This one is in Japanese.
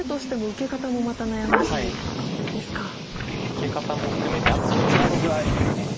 受け方も含めてあとこちらの具合です。